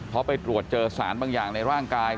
เพราะไปตรวจเจอสารบางอย่างในร่างกาย